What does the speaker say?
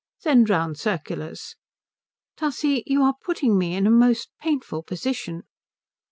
"Send round circulars." "Tussie, you are putting me in a most painful position."